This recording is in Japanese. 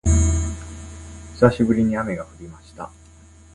久しぶりに雨が降りました